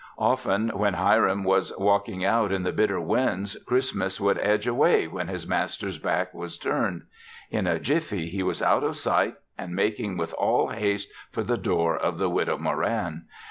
Often, when Hiram was walking out in the bitter winds, Christmas would edge away when his master's back was turned. In a jiffy, he was out of sight and making with all haste for the door of the Widow Moran.